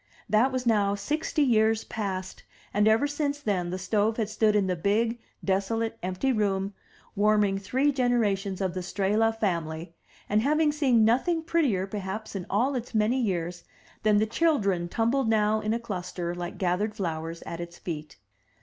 That was now sixty years past, and ever since then the stove had stood in the big, desolate, empty room, warming three generations of the Strehla family, and having seen nothing prettier perhaps in all its many years than the children tumbled now in a cluster, like gathered flowers, at its feet.